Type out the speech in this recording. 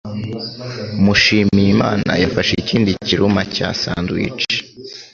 Mushimiyimana yafashe ikindi kiruma cya sandwich.